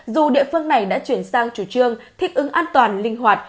dù địa phương này đã chuyển sang chủ trương thích ứng an toàn linh hoạt